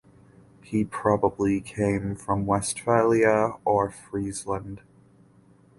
He probably came from Westphalia or Friesland.